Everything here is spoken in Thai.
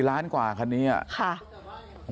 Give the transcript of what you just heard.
ล้านกว่าคันนี้อ่ะค่ะ